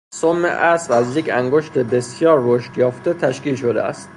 سم اسب از یک انگشت بسیار رشد یافته تشکیل شده است.